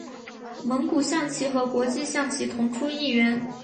蒙古象棋和国际象棋同出一源。